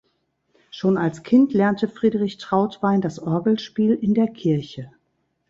Schon als Kind lernte Friedrich Trautwein das Orgelspiel in der Kirche.